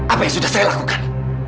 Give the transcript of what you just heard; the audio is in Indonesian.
apa yang sudah saya lakukan